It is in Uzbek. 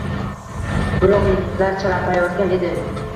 Biroq yulduzlar charaqlayotgan edi